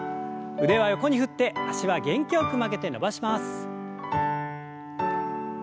腕は横に振って脚は元気よく曲げて伸ばします。